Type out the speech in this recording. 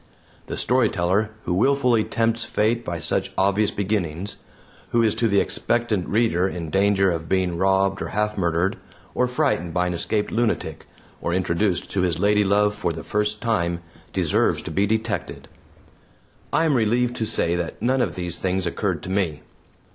The storyteller who willfully tempts Fate by such obvious beginnings; who is to the expectant reader in danger of being robbed or half murdered, or frightened by an escaped lunatic, or introduced to his ladylove for the first time, deserves to be detected. I am relieved to say that none of these things occurred to me.